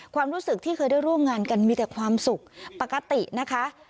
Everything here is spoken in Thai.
ความรู้สึกที่เคยได้ร่วมงานกันมีแต่ความสุขปกตินะคะ